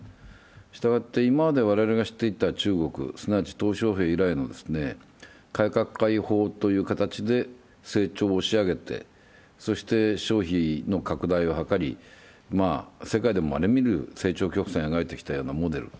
したがって、今まで我々が知っていた中国、すなわちトウ小平以来の改革開放という形で成長を押し上げてそして消費の拡大を図り、世界でもまれに見る成長曲線を描いてきたようなモデル。